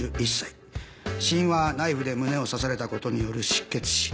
死因はナイフで胸を刺された事による失血死。